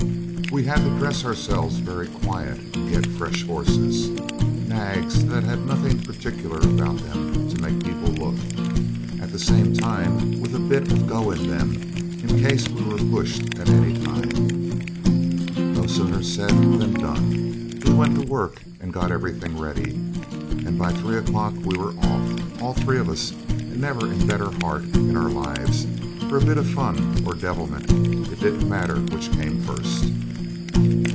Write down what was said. We had to dress ourselves very quiet and get fresh horses nags that had nothing particular about them to make people look, at the same time with a bit of go in them in case we were pushed at any time. No sooner said than done. We went to work and got everything ready, and by three o'clock we were off all three of us, and never in better heart in our lives for a bit of fun or devilment; it didn't matter which came first.